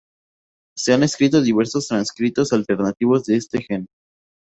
Se han descrito diversos transcritos alternativos de este gen.